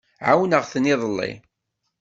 Ɛawneɣ-ten iḍelli.